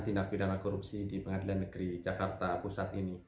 tindak pidana korupsi di pengadilan negeri jakarta pusat ini